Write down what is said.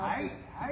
はい。